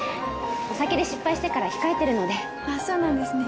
お酒で失敗してから控えてるのであっそうなんですね